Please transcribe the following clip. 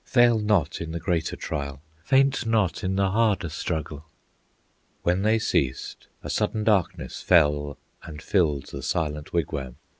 Fail not in the greater trial, Faint not in the harder struggle." When they ceased, a sudden darkness Fell and filled the silent wigwam.